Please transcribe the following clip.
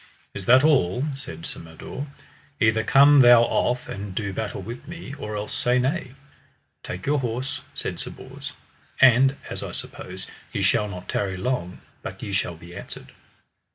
Is that all? said Sir Mador, either come thou off and do battle with me, or else say nay. Take your horse, said Sir Bors, and as I suppose, ye shall not tarry long but ye shall be answered.